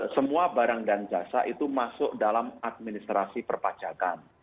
semua barang dan jasa itu masuk dalam administrasi perpajakan